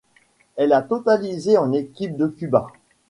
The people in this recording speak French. Elle a totalisé en équipe de Cuba.